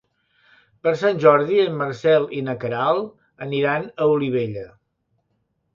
Per Sant Jordi en Marcel i na Queralt aniran a Olivella.